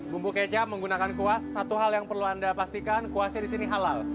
bumbu kecap menggunakan kuas satu hal yang perlu anda pastikan kuasnya di sini halal